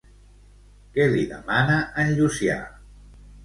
Què li demana en Llucià?